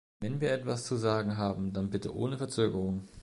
Wenn wir etwas zu sagen haben, dann bitte ohne Verzögerung.